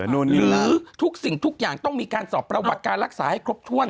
หรือทุกสิ่งทุกอย่างต้องมีการสอบประวัติการรักษาให้ครบถ้วน